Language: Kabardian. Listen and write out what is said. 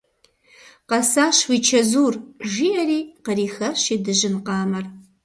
Къэсащ уи чэзур! – жиӏэри кърихащ и дыжьын къамэр.